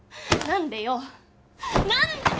何でよっ！